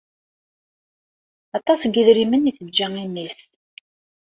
Aṭas n yidrimen i d-teǧǧa i mmi-s.